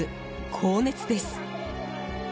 高熱です。